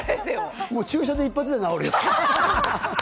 注射で一発で治るよ。